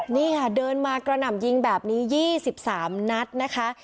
นี่ค่ะเดินมากระหน่ำยิงแบบนี้๒๓นัดนะคะ